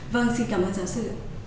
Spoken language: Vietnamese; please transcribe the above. vâng xin cảm ơn giáo sư